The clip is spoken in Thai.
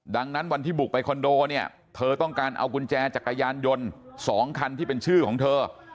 ดังนั้นวันที่บุกไปคอนโดเนี่ยเธอต้องการเอากุญแจจักรยานยนต์๒คันที่เป็นชื่อของเธอ